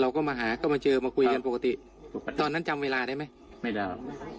เขาก็มาหาก็มาเจอมาคุยกันปกติตอนนั้นจำเวลาได้ไหมไม่ได้